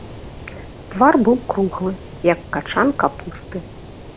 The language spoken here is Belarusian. Твар быў круглы, як качан капусты.